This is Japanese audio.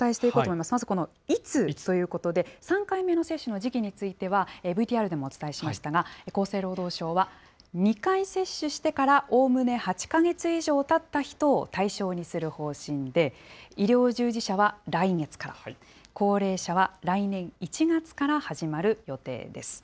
まずこの、いつ？ということで、３回目の接種の時期については、ＶＴＲでもお伝えしましたが、厚生労働省は、２回接種してからおおむね８か月以上たった人を対象にする方針で、医療従事者は来月から、高齢者は来年１月から始まる予定です。